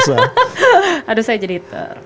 aduh saya jadi ter